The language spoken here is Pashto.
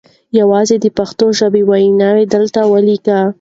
یوازې د پښتو ژبې وییونه دلته وليکئ